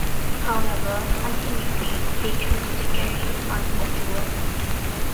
However, ultimately they chose to carry on as a duo.